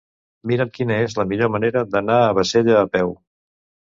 Mira'm quina és la millor manera d'anar a Bassella a peu.